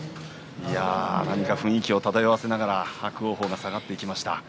雰囲気を漂わせながら伯桜鵬が下がっていきました。